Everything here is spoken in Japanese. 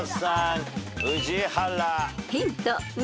［ヒント２］